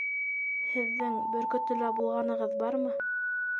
Һеҙҙең Бөркөтлөлә булғанығыҙ бармы?